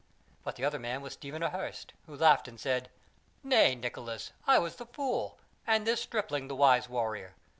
But the other man was Stephen a Hurst, who laughed and said: "Nay, Nicholas, I was the fool, and this stripling the wise warrior.